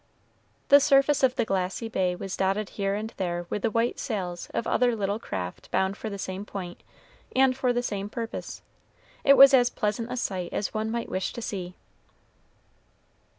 The surface of the glassy bay was dotted here and there with the white sails of other little craft bound for the same point and for the same purpose. It was as pleasant a sight as one might wish to see.